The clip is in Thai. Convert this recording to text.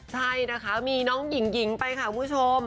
ใช่นะคะมีน้องหญิงไปค่ะคุณผู้ชม